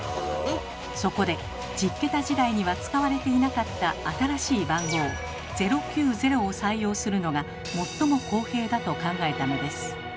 そこで１０桁時代には使われていなかった新しい番号「０９０」を採用するのが最も公平だと考えたのです。